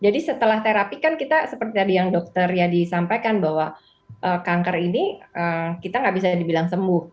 jadi setelah terapi kan kita seperti tadi yang dokter disampaikan bahwa kanker ini kita nggak bisa dibilang sembuh